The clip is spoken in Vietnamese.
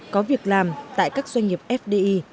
có việc làm tại các doanh nghiệp fdi